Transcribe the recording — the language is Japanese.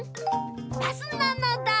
バスなのだ！